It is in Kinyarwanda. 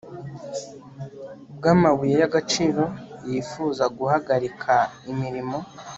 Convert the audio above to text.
bw amabuye y agaciro yifuza guhagarika imirimo